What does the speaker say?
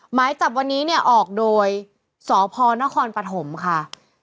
หมายจับวันนี้เนี่ยออกโดยสพนครปฐมค่ะ